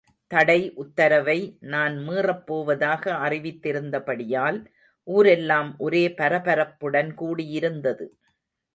தடை உத்தரவை நான் மீறப்போவதாக அறிவித்திருந்தபடியால் ஊரெல்லாம் ஒரே பரபரப்புடன் கூடியிருந்தது.